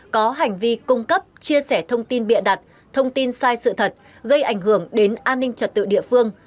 có hành vi cung cấp chia sẻ thông tin bịa đặt thông tin sai sự thật gây ảnh hưởng đến an ninh trật tự địa phương